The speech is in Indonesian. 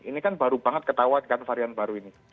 ini kan baru banget ketahuan kan varian baru ini